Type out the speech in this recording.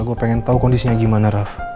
gue pengen tahu kondisinya gimana raff